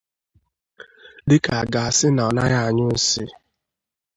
dịka a ga-asị na ọ naghị anyụ nsị